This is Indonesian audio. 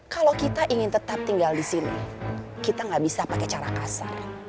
kalau kita ingin tetap tinggal di sini kita nggak bisa pakai cara kasar